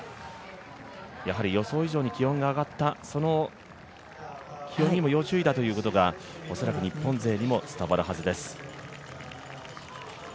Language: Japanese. やはり予想以上に気温が上がった、その気温にも要注意だということが、恐らく日本勢にも伝わるはずです。